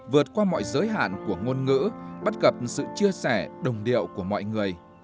vượt qua mọi giới hạn của ngôn ngữ bắt gặp sự chia sẻ đồng điệu của mọi người